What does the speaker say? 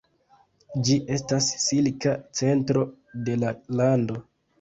Ĝi estas silka centro de la lando.